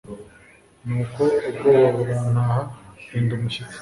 nuko ubwoba burantaha, mpinda umushyitsi